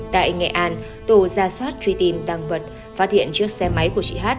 tại nghệ an tổ ra soát truy tìm tăng vật phát hiện chiếc xe máy của chị hát